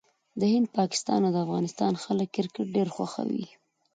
د هند، پاکستان او افغانستان خلک کرکټ ډېر خوښوي.